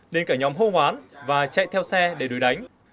nên cả nhóm hô hoán và chạy theo xe để đuổi đánh